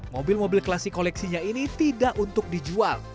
mobil mobil klasik koleksinya ini tidak untuk dijual